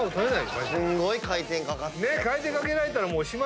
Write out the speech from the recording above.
すごい回転かかってるでしょ。